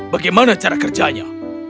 bagaimana cara kerjanya